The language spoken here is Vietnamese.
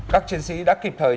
các chiến sĩ đã kịp thời